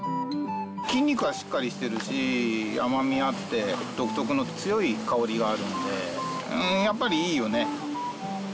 筋肉がしっかりしてるし甘味あって独特の強い香りがあるのでやっぱりいいよね。